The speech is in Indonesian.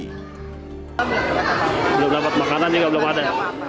belum dapat makanan juga belum ada